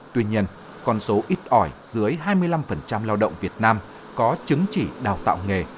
tuy nhiên con số ít ỏi dưới hai mươi năm lao động việt nam có chứng chỉ đào tạo nghề